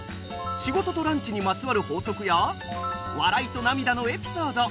仕事とランチにまつわる法則や笑いと涙のエピソード。